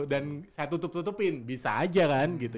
dan saya tutup tutupin bisa aja kan gitu